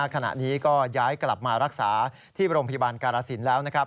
ขณะนี้ก็ย้ายกลับมารักษาที่โรงพยาบาลกาลสินแล้ว